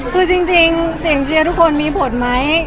คือจริงเสียงเชียร์ทุกคนมีผลไหม